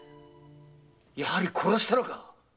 やはり殺したのか？